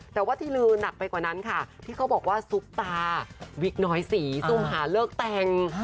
แต่ว่าที่ลือหนักไปกว่านั้นค่ะที่เขาบอกว่าซุปตาวิกน้อยสีซุ่มหาเลิกแต่ง